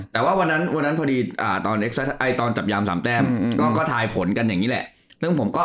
แต่ว่าวันนั้นพอดีตอนจับยาม๓แต้มก็ทายผลกันอย่างนี้แหละ